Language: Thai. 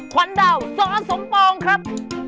ขวัญดาวสสมปองครับ